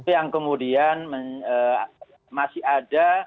yang kemudian masih ada